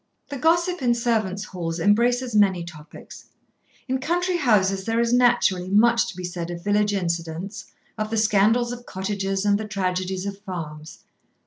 The gossip in servants' halls embraces many topics. In country houses there is naturally much to be said of village incidents, of the scandals of cottages and the tragedies of farms.